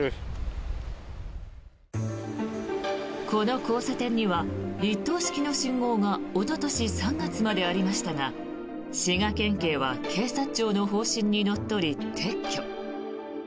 この交差点には一灯式の信号がおととし３月までありましたが滋賀県警は警察庁の方針にのっとり撤去。